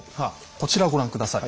こちらをご覧下さい。